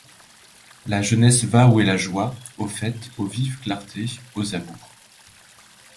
La jeunesse va où est la joie, aux fêtes, aux vives clartés, aux amours.